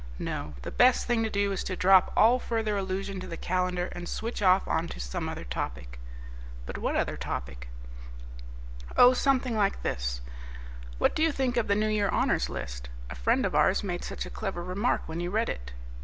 No, the best thing to do is to drop all further allusion to the calendar and switch off on to some other topic." "But what other topic?" "Oh, something like this: 'What do you think of the New Year Honours List? A friend of ours made such a clever remark when he read it.